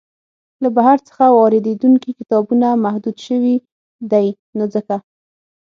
له بهر څخه واریدیدونکي کتابونه محدود شوي دی نو ځکه.